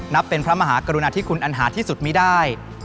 เป็นพระมหากรุณาธิคุณอันหาที่สุดไม่ได้